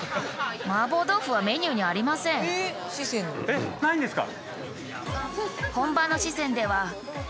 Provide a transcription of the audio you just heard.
えっないんですか？